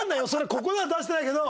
ここでは出してないけど。